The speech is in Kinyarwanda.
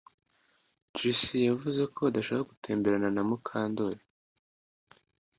Trix yavuze ko adashaka gutemberana na Mukandoli